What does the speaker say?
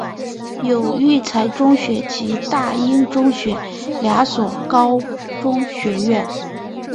有育才中学及大英中学两所高中学院。